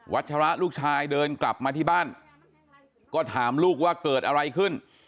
ัชระลูกชายเดินกลับมาที่บ้านก็ถามลูกว่าเกิดอะไรขึ้น